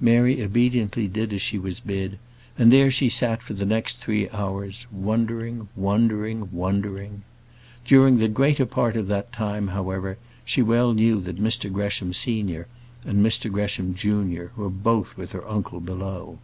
Mary obediently did as she was bid; and there she sat, for the next three hours, wondering, wondering, wondering. During the greater part of that time, however, she well knew that Mr Gresham, senior, and Mr Gresham, junior, were both with her uncle, below.